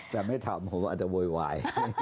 แต่ไม่ทำผมอาจจะโวยวาย